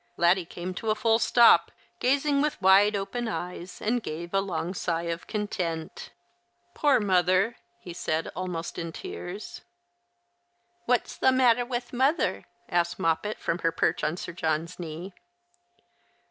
Laddie came to a full stop, gazing with wide open eyes, and gave a long sigh of content. The Christmas Hirelings. 119 " Poor mother !" he said, almost in tears. " What's the matter with mother ?" asked Moppet from her perch on Sir John's knee.